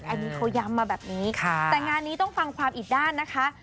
อันนี้เขาย้ำมาแบบนี้แต่งานนี้ต้องฟังความอีกด้านนะคะ